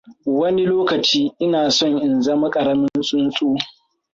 Wani lokaci, Ina so in zama ƙaramin tsuntsu.